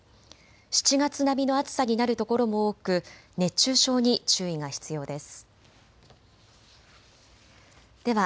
７月並みの暑さになる所も多く熱中症に注意が必要です。